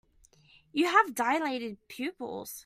You have dilated pupils.